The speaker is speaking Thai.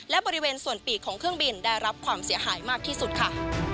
และบริเวณส่วนปีกของเครื่องบินได้รับความเสียหายมากที่สุดค่ะ